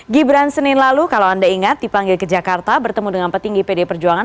gibran senin lalu kalau anda ingat dipanggil ke jakarta bertemu dengan petinggi pdi perjuangan